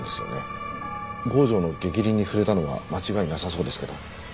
郷城の逆鱗に触れたのは間違いなさそうですけど。